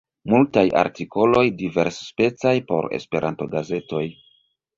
Multaj artikoloj diversspecaj por Esperanto-gazetoj.